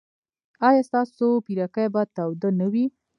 ایا ستاسو پیرکي به تاوده نه وي؟